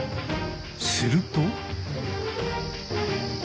すると。